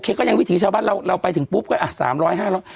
ก็ยังวิถีชาวบ้านเราเราไปถึงปุ๊บก็อ่ะสามร้อยห้าร้อย